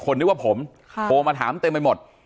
นึกว่าผมโทรมาถามเต็มไปหมด